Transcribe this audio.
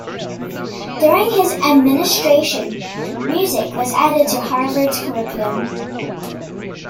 During his administration, music was added to Harvard's curriculum.